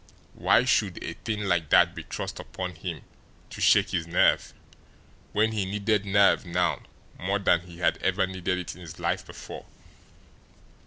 Why should a thing like that be thrust upon him to shake his nerve when he needed nerve now more than he had ever needed it in his life before?